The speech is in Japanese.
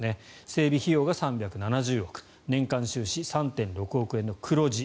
整備費用が３７０億円年間収支、３．６億円の黒字。